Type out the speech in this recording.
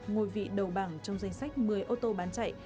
ngôi vị đầu bảng trong danh sách một mươi ô tô bán chạy